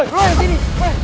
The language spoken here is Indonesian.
lu yang sini